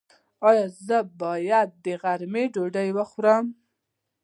ایا زه باید د غرمې ډوډۍ وخورم؟